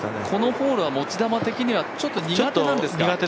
このホールは持ち球的には苦手ですか？